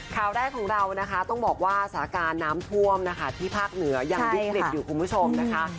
ข่าวแรกของเรานะคะต้องบอกว่าสถานการณ์น้ำท่วมนะคะที่ภาคเหนือยังวิกฤตอยู่คุณผู้ชมนะคะ